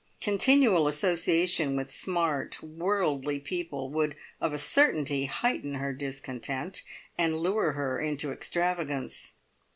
Continual association with smart, worldly people would of a certainty heighten her discontent, and lure her into extravagance.